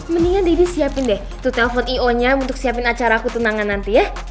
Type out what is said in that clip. mendingan deddy siapin deh to telpon i o nya untuk siapin acara aku tenangan nanti ya